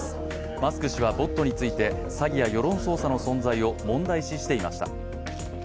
マスク氏はｂｏｔについて詐欺や世論操作の問題を問題視していました。